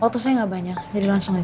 waktu saya gak banyak jadi langsung aja